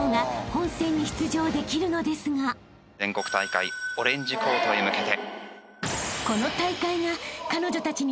全国大会オレンジコートへ向けて。